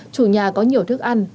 chủ nhà có nhiều thức ăn